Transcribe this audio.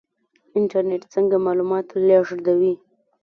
انټرنیټ څنګه معلومات لیږدوي؟